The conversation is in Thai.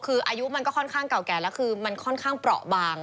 คืออายุมันก็ค่อนข้างเก่าแก่แล้วคือมันค่อนข้างเปราะบาง